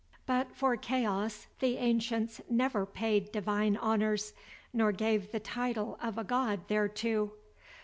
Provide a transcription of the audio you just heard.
But for Chaos, the ancients never paid divine honors, nor gave the title of a god thereto.